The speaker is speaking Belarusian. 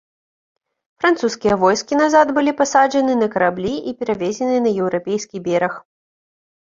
Французскія войскі назад былі пасаджаны на караблі і перавезены на еўрапейскі бераг.